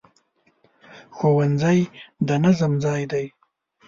ښوونځی د نظم ځای دی